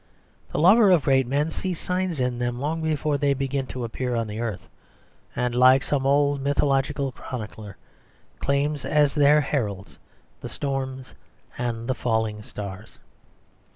The lover of great men sees signs of them long before they begin to appear on the earth, and, like some old mythological chronicler, claims as their heralds the storms and the falling stars.